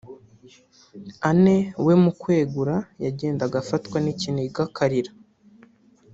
Anne we mu kwiregura yagendaga afatwa n’ikiniga akarira